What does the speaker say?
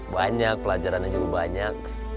banyak pelajaran aja juga banyak